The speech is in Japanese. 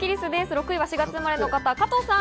６位は４月生まれの方、加藤さん。